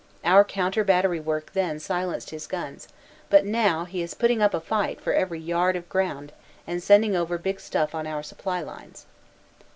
Our counter battery work then silenced his guns, but now he is putting up a fight for every yard of ground and sending over big stuff on our support lines.